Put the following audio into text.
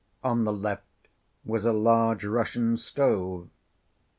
On the left was a large Russian stove.